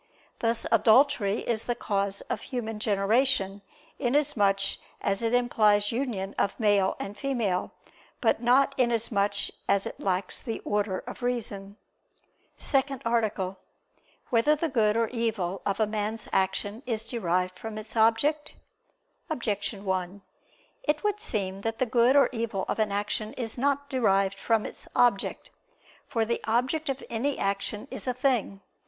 Thus adultery is the cause of human generation, inasmuch as it implies union of male and female, but not inasmuch as it lacks the order of reason. ________________________ SECOND ARTICLE [I II, Q. 18, Art. 2] Whether the Good or Evil of a Man's Action Is Derived from Its Object? Objection 1: It would seem that the good or evil of an action is not derived from its object. For the object of any action is a thing.